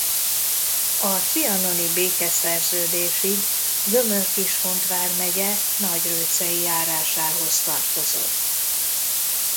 A trianoni békeszerződésig Gömör-Kishont vármegye Nagyrőcei járásához tartozott.